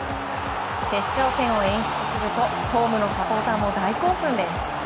決勝点を演出するとホームのサポーターも大興奮です。